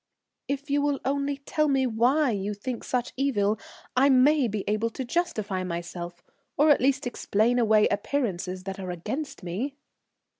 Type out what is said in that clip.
"If you will only tell me why you think such evil I may be able to justify myself, or at least explain away appearances that are against me."